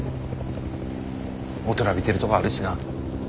大人びてるとこあるしな。